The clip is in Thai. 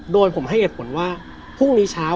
โดยผมให้เหตุผลว่าพรุ่งนี้เช้า